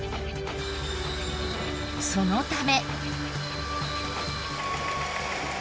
そのため。